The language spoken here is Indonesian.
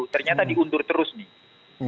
ternyata diuntur terus nih